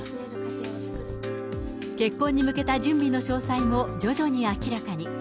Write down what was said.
結婚に向けた準備の詳細も徐々に明らかに。